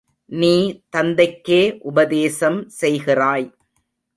நீ தந்தைக்கே உபதேசம் செய்கிறாய்.